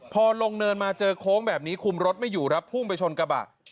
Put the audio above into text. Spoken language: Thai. พอลงเนินมาเจอโค้งแบบนี้คุมรถไม่อยู่ครับพุ่งไปชนกระบะ